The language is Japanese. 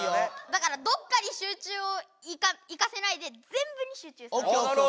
だからどっかに集中をいかせないで全部に集中する。